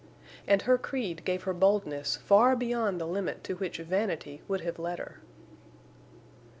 And her creed gave her boldness far beyond the limit to which vanity would have led her.